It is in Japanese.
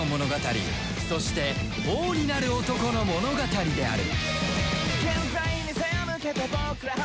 そして王になる男の物語である